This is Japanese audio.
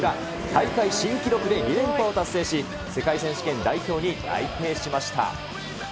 大会新記録で２連覇を達成し、世界選手権代表に内定しました。